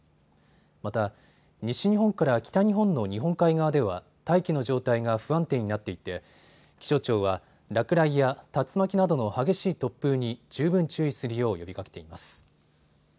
また、西日本から北日本の日本海側では大気の状態が不安定になっていて気象庁は落雷や竜巻などの激しい突風に十分注意するよう呼びかけています。